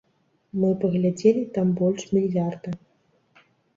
Мы паглядзелі, там больш мільярда.